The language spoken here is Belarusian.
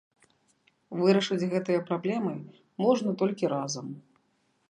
Вырашыць гэтыя праблемы можна толькі разам.